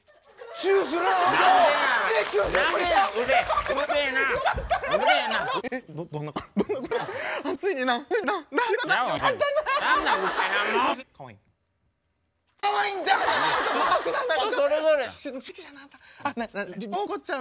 チューするん？